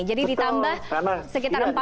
jadi ditambah sekitar empat puluh lima menit ya